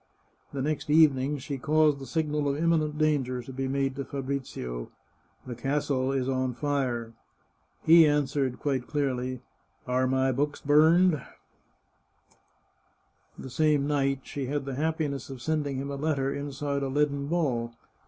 The next evening she caused the signal of imminent danger to be made to Fabrizio :" The castle is on fire" He answered quite clearly: " Are my books burned f " That same night, she had the happiness of sending him a letter inside a leaden ball.